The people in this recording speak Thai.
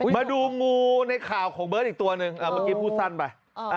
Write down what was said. มาดูงูในข่าวของเบิร์ตอีกตัวหนึ่งเมื่อกี้พูดสั้นไป